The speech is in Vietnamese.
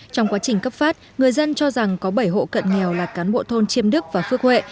trong quá trình cấp phát người dân cho rằng có bảy hộ cận nghèo là cán bộ thôn chiêm đức và phước huệ